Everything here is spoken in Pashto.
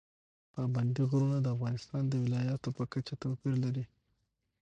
پابندی غرونه د افغانستان د ولایاتو په کچه توپیر لري.